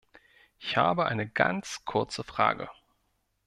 Ich habe eine ganz kurze Frage.